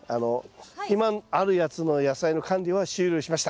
今あるやつの野菜の管理は終了しました。